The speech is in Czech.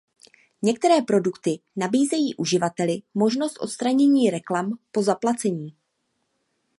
Některé produkty nabízejí uživateli možnost odstranění reklam po zaplacení.